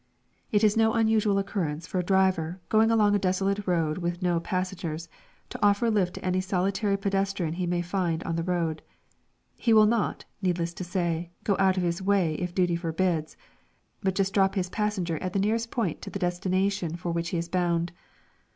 It is no unusual occurrence for a driver going along a desolate road with no passengers to offer a lift to any solitary pedestrian he may find on the road. He will not, needless to say, go out of his way if duty forbids, but just drop his passenger at the nearest point to the destination for which he is bound.